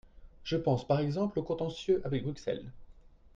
Je pense par exemple aux contentieux avec Bruxelles.